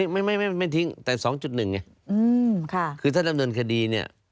ไม่ไม่ทิ้งแต่๒๑ไงคือถ้าดำเนินคดีเนี่ย